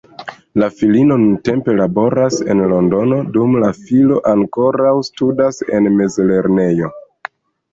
La filino nuntempe laboras en Londono, dum la filo ankoraŭ studas en mezlernejo.